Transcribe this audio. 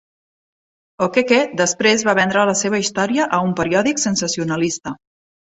O'Keke després va vendre la seva història a un periòdic sensacionalista.